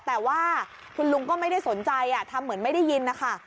แต่ว่าคุณลุงก็ไม่ได้สนใจทำเหมือนไม่ได้ยินนะคะ